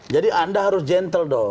anda harus gentle dong